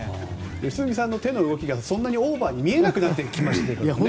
良純さんの手の動きがそんなにオーバーに見えなくなってきましたけどね。